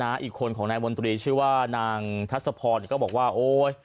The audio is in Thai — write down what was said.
น่ะอีกคนของนายมนตรีชื่อว่านางทัชสะพอนด์ก็บอกว่าโอ้ย